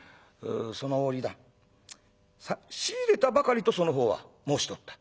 「その折だ仕入れたばかりとそのほうは申しておった。